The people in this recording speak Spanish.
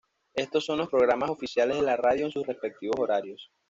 Estos son los programas oficiales de la radio en sus respectivos horarios.